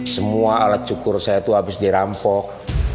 semua alat cukur saya itu habis dirampok